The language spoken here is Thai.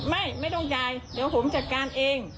ไม่ต้องจ่ายเดี๋ยวผมจัดการเอง